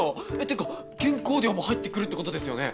てか原稿料も入ってくるってことですよね！